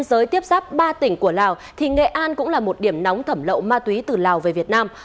thế giới tiếp sắp ba tỉnh của lào thì nghệ an cũng là một điểm nóng thẩm lậu ma túy từ lào về việt nam